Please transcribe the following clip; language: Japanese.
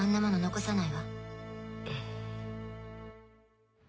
残さないわ。